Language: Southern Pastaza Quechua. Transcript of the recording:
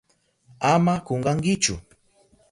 Ama kunkankichu.